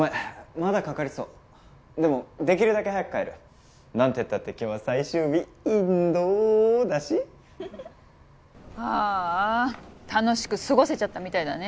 まだかかりそうでもできるだけ早く帰る何てったって今日は最終日インドだしああ楽しく過ごせちゃったみたいだね